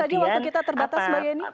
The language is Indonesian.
tadi waktu kita terbatas mbak yeni